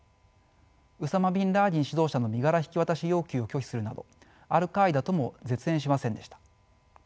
ウサマ・ビン・ラーディン指導者の身柄引き渡し要求を拒否するなどアル＝カーイダとも絶縁しませんでした。